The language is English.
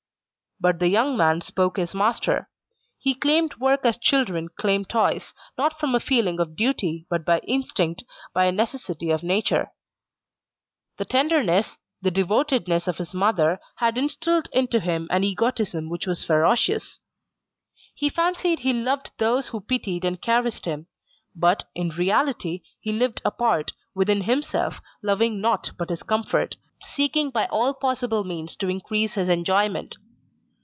But the young man spoke as master. He claimed work as children claim toys, not from a feeling of duty, but by instinct, by a necessity of nature. The tenderness, the devotedness of his mother had instilled into him an egotism that was ferocious. He fancied he loved those who pitied and caressed him; but, in reality, he lived apart, within himself, loving naught but his comfort, seeking by all possible means to increase his enjoyment.